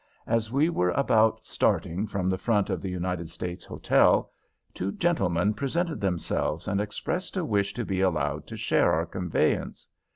As we were about starting from the front of the United States Hotel, two gentlemen presented themselves and expressed a wish to be allowed to share our conveyance.